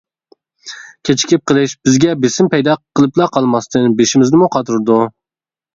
كېچىكىپ قېلىش بىزگە بېسىم پەيدا قىلىپلا قالماستىن، بېشىمىزنىمۇ قاتۇرىدۇ.